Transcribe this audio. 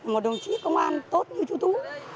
một đồng chí công an tốt như chú tú